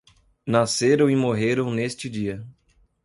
Nasceram e morreram neste dia